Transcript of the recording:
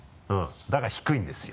だから低いんですよ